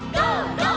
「ゴー！